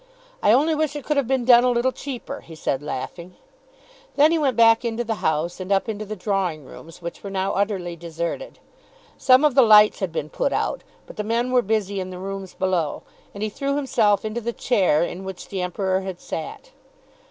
"I only wish it could have been done a little cheaper," he said laughing. Then he went back into the house, and up into the drawing rooms which were now utterly deserted. Some of the lights had been put out, but the men were busy in the rooms below, and he threw himself into the chair in which the Emperor had sat.